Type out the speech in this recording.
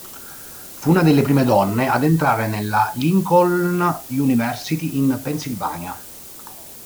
Fu una delle prime donne ad entrare nella Lincoln University in Pennsylvania.